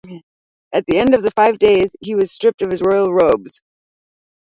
At the end of the five days he was stripped of his royal robes.